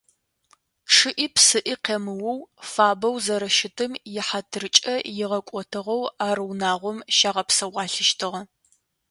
Чъыӏи-псыӏи къемыоу, фабэу зэрэщытым ихьатыркӏэ игъэкӏотыгъэу ар унагъом щагъэпсэуалъэщтыгъэ.